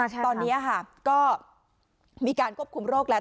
ตอนนี้ก็มีการควบคุมโรคแล้ว